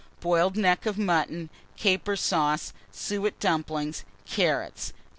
Boiled neck of mutton, caper sauce, suet dumplings, carrots. 3.